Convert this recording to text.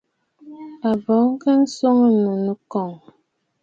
A bɔŋ ka swɔŋ ànnù nɨkoŋǝ̀.